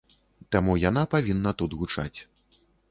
Таму яна павінна тут гучаць.